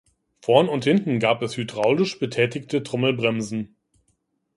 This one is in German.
Vorn und hinten gab es hydraulisch betätigte Trommelbremsen.